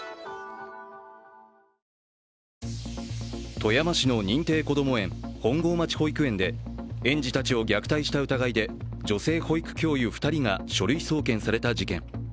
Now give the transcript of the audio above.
富山市の認定こども園本郷町保育園で園児たちを虐待した疑いで女性保育教諭２人が書類送検された事件。